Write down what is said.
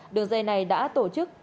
đường dây này đã tổ chức